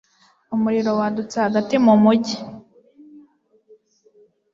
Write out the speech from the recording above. Umuriro wadutse hagati mu mujyi.